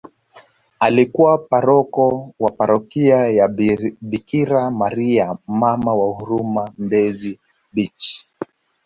Alikuwa paroko wa parokia ya Bikira maria Mama wa huruma mbezi baech